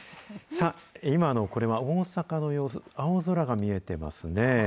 さあ、今のこれは大阪の様子、青空が見えてますね。